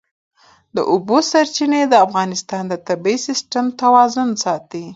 د اوبو سرچینې د افغانستان د طبعي سیسټم توازن ساتي.